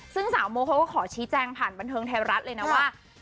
ซึ่งสาวโมเขาก็ขอชี้แจงผ่านบันเทิงไทยรัฐเลยนะว่า